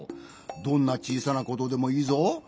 どんなちいさなことでもいいぞ。